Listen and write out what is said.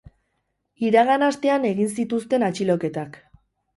Iragan astean egin zituzten atxiloketak.